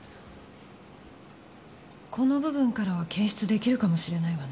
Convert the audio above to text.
この部分からは検出出来るかもしれないわね。